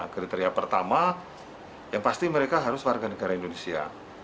kriteria pertama yang pasti mereka harus warga negara indonesia